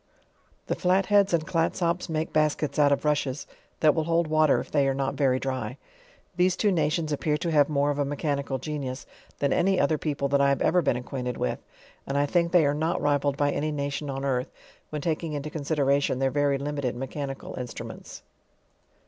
The Flatheada and Clatsops make baskets out of rushes, that will hold water if they are not very dry. These two nations appear to have more of a mechanical genius, than any other people that I have ever been acquainted with. And I think they are not rivalled by any nation on earth, when taking into consideration their very limited mechanical in strumsnts.